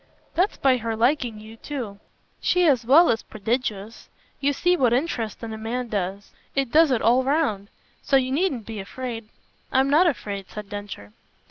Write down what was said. "That's by her liking you too. She as well is prodigious. You see what interest in a man does. It does it all round. So you needn't be afraid." "I'm not afraid," said Densher.